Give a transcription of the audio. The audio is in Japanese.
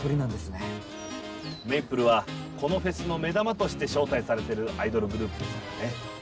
めいぷるはこのフェスの目玉として招待されてるアイドルグループですからね